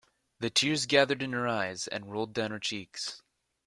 The tears gathered in her eyes and rolled down her cheeks.